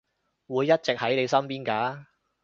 會一直喺你身邊㗎